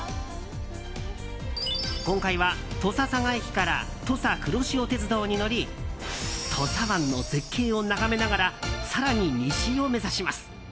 今回は、土佐佐賀駅から土佐くろしお鉄道に乗り土佐湾の絶景を眺めながら更に西を目指します。